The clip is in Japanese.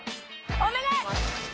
お願い！